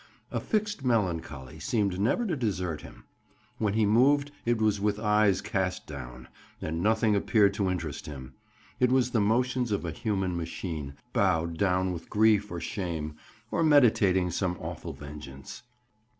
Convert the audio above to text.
A fixed melancholy seemed never to desert him. When he moved, it was with eyes cast down, and nothing appeared to interest him; it was the motions of a human machine, bowed down with grief or shame, or meditating some awful vengeance.